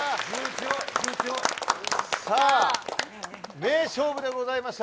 名勝負でございました。